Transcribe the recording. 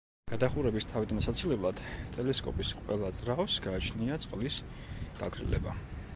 გადახურების თავიდან ასაცილებლად, ტელესკოპის ყველა ძრავს გააჩნია წყლის გაგრილება.